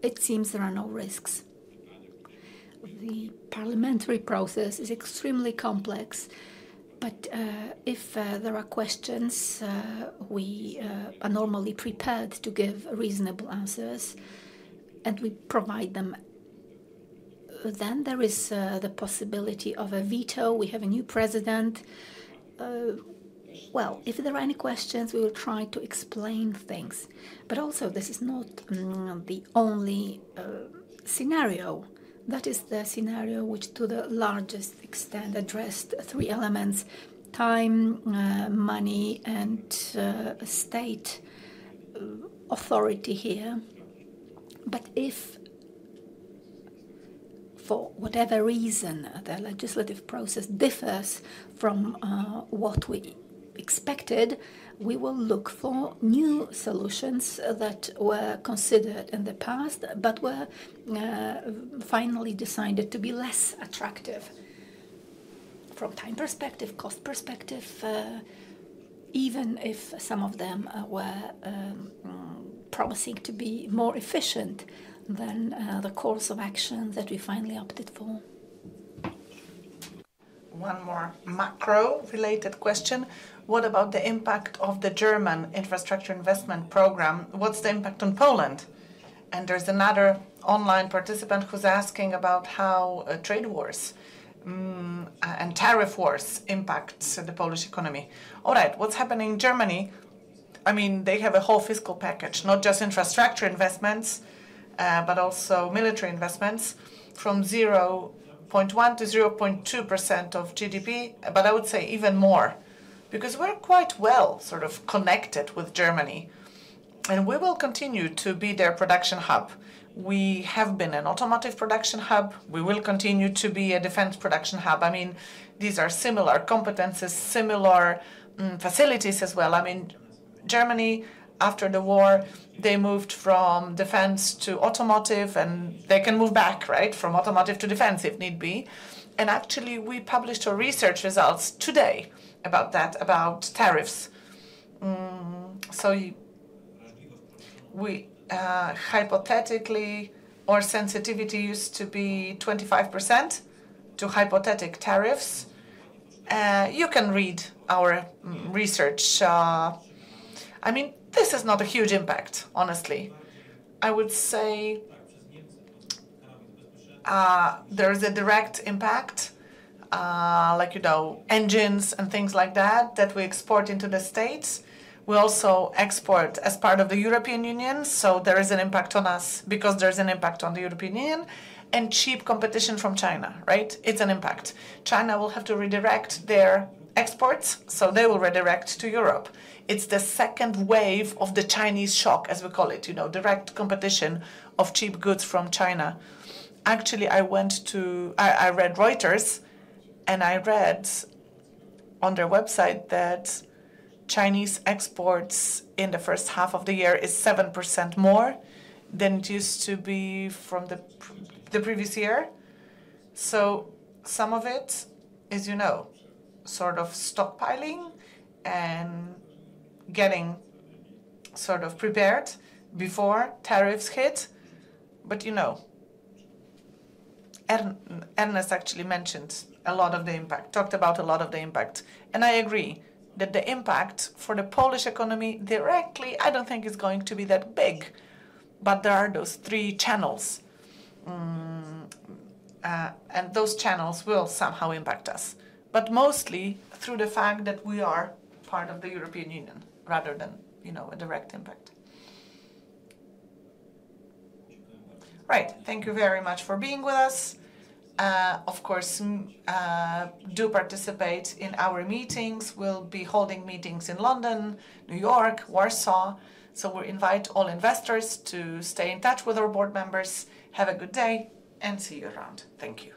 it seems there are no risks. The parliamentary process is extremely complex. If there are questions, we are normally prepared to give reasonable answers, and we provide them. There is the possibility of a veto. We have a new president. If there are any questions, we will try to explain things. This is not the only scenario. That is the scenario which, to the largest extent, addressed three elements: time, money, and state authority here. If, for whatever reason, the legislative process differs from what we expected, we will look for new solutions that were considered in the past but were finally decided to be less attractive from a time perspective or cost perspective, even if some of them were promising to be more efficient than the course of action that we finally opted for. One more macro-related question. What about the impact of the German infrastructure investment program? What's the impact on Poland? There's another online participant who's asking about how trade wars and tariff wars impact the Polish economy. All right, what's happening in Germany? I mean, they have a whole fiscal package, not just infrastructure investments, but also military investments from 0.1% to 0.2% of GDP. I would say even more because we're quite well sort of connected with Germany, and we will continue to be their production hub. We have been an automotive production hub. We will continue to be a defense production hub. These are similar competencies, similar facilities as well. Germany, after the war, they moved from defense to automotive, and they can move back, right, from automotive to defense if need be. Actually, we published our research results today about that, about tariffs. Hypothetically, our sensitivity used to be 25% to hypothetic tariffs. You can read our research. This is not a huge impact, honestly. I would say there is a direct impact, like you know engines and things like that that we export into the States. We also export as part of the European Union. There is an impact on us because there's an impact on the European Union and cheap competition from China, right? It's an impact. China will have to redirect their exports, so they will redirect to Europe. It's the second wave of the Chinese shock, as we call it, you know, direct competition of cheap goods from China. Actually, I went to, I read Reuters, and I read on their website that Chinese exports in the first half of the year are 7% more than it used to be from the previous year. Some of it is, you know, sort of stockpiling and getting sort of prepared before tariffs hit. Ernest actually mentioned a lot of the impact, talked about a lot of the impact. I agree that the impact for the Polish economy directly, I don't think it's going to be that big, but there are those three channels. Those channels will somehow impact us, but mostly through the fact that we are part of the European Union rather than, you know, a direct impact. Right. Thank you very much for being with us. Of course, do participate in our meetings. We'll be holding meetings in London, New York, Warsaw. We invite all investors to stay in touch with our board members. Have a good day and see you around. Thank you.